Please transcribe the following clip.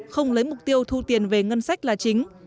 không lấy mục tiêu thu tiền về ngân sách là chính